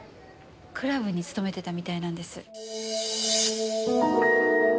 クラブに勤めてたみたいなんです。